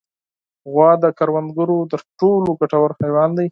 غوا د کروندګرو تر ټولو ګټور حیوان دی.